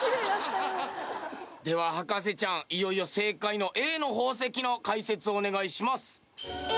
では博士ちゃんいよいよ正解のＡの宝石の解説お願いします。